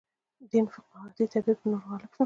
دین فقاهتي تعبیر پر نورو غالب شو.